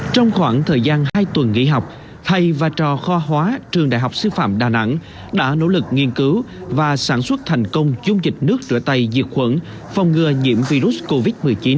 trong khoảng thời gian hai tuần nghỉ học thầy và trò kho hóa trường đại học sư phạm đà nẵng đã nỗ lực nghiên cứu và sản xuất thành công dung dịch nước rửa tay diệt khuẩn phòng ngừa nhiễm virus covid một mươi chín